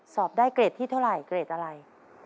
สอบได้เกรดที่เท่าไหร่เกรดอะไร